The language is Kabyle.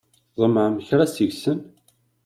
Tḍemɛem kra seg-sen?